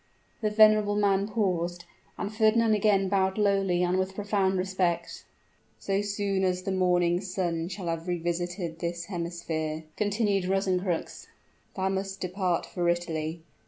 The venerable man paused, and Fernand again bowed lowly and with profound respect. "So soon as the morning's sun shall have revisited this hemisphere," continued Rosencrux, "thou must depart for Italy.